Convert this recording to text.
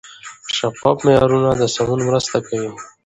شفاف معیارونه د سمون مرسته کوي.